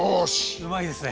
うまいですね！